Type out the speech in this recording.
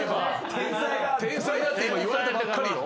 天才だって言われたばっかりよ。